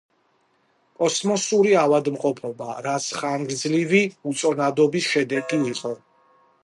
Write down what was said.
კოსმოსური ავადმყოფობა, რაც ხანგრძლივი უწონადობის შედეგი იყო.